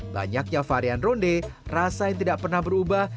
banyaknya varian ronde rasa yang tidak pernah berubah